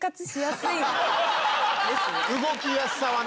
動きやすさはね。